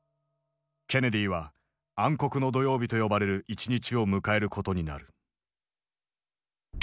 ケネディは「暗黒の土曜日」と呼ばれる一日を迎えることになる。